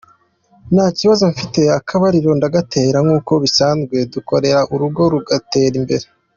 Nta kibazo mfite, akabariro ndagatera nk’uko bisanzwe, dukorera urugo rugatera imbere".